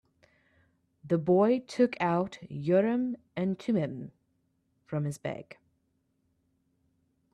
The boy took out Urim and Thummim from his bag.